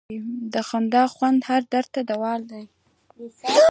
د خندا خوند هر درد ته دوا ده.